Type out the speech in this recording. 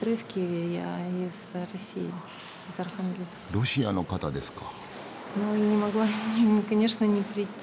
ロシアの方ですか。